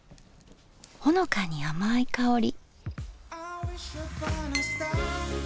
ほのかに甘い香り。